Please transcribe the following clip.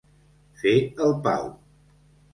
Fer el pau.